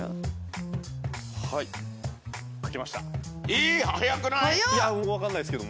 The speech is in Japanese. え早くない！？